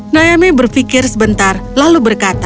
nayame berpikir sebentar lalu berkata